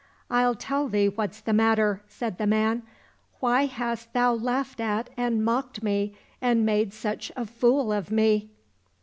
—" I'll tell thee what's the matter," said the man ;" why hast thou laughed at and mocked me and made such a fool of me